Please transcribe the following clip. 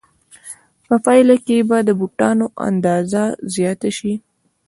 په پایله کې به د بوټانو اندازه زیاته شي